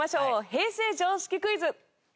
平成常識クイズ。